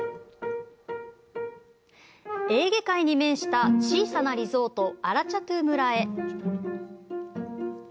エーゲ海に面した小さなリゾート、アラチャトゥ村へ。